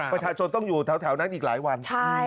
ประชาชนต้องอยู่แถวนั้นอีกหลายวัน